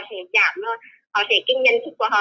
sẽ giảm nhân sức của họ